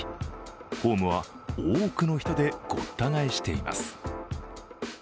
ホームは多くの人でごった返しています。